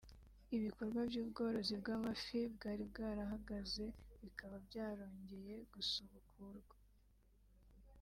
ibikorwa by’ubworozi bw’amafi bwari bwarahagaze bikaba byarongeye gusubukurwa